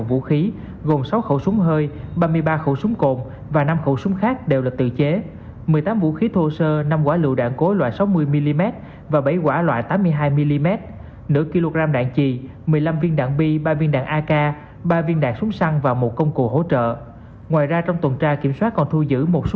một mươi tám vũ khí thô sơ năm quả lựu đạn cối loại sáu mươi mm và bảy quả loại tám mươi hai mm năm kg đạn chì một mươi năm viên đạn bi ba viên đạn ak ba viên đạn súng săn và một công cụ hỗ trợ ngoài ra trong tuần tra kiểm soát còn thu giữ một súng hơi